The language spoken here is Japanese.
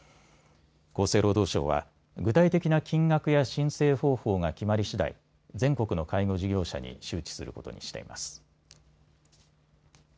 厚生労働省は具体的な金額や申請方法が決まりしだい全国の介護事業者に周知することにしています。